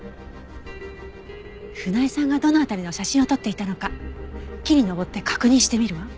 船井さんがどの辺りの写真を撮っていたのか木に登って確認してみるわ。